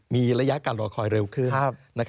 มีระยะการรอคอยเร็วขึ้น